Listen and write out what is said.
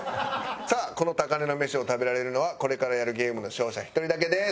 さあこの高値の飯を食べられるのはこれからやるゲームの勝者一人だけです。